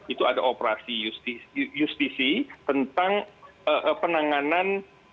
itu ada operasi justisi tentang penanganan